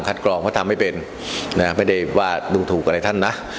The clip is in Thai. กรองเพราะทำไม่เป็นนะไม่ได้ว่าดูถูกอะไรท่านนะ